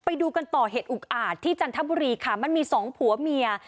ไปดูกันต่อเหตุอุกอาจที่จันทบุรีค่ะมันมีสองผัวเมีย